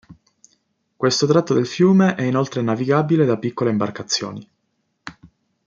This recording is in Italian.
Questo tratto del fiume è inoltre navigabile da piccole imbarcazioni.